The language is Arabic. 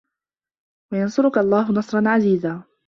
وَيَنصُرَكَ اللَّهُ نَصرًا عَزيزًا